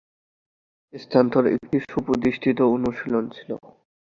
স্থানান্তর একটি সুপ্রতিষ্ঠিত অনুশীলন ছিল।